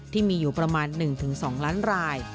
ที่มีอยู่ประมาณ๑๒ล้านราย